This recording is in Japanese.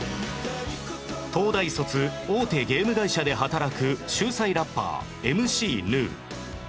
東大卒大手ゲーム会社で働く秀才ラッパー ＭＣ ぬー